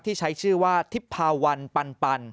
ที่ใช้ชื่อว่าทิพพาวันปัน